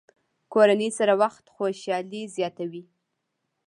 کورنۍ سره وخت خوشحالي زیاتوي.